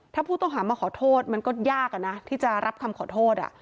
ถ้าผู้ต้องหามาขอโทษมันก็ยากที่จะรับคำขอโทษ